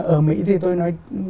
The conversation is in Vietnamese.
ở mỹ thì tôi nói